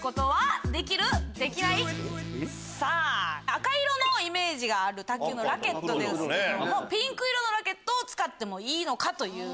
赤色のイメージがある卓球のラケットですけどもピンク色のラケットを使ってもいいのか？という。